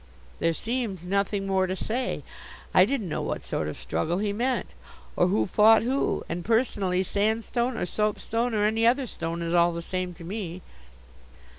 There seemed nothing more to say; I didn't know what sort of struggle he meant, or who fought who; and personally sandstone or soapstone or any other stone is all the same to me.